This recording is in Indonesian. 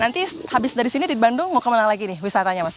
nanti habis dari sini di bandung mau kemana lagi nih wisatanya mas